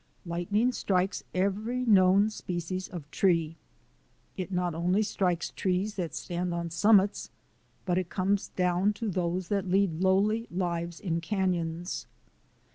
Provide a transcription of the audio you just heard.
Lightning strikes every known species of tree. It not only strikes trees that stand on summits but it comes down to those that lead lowly lives in canons.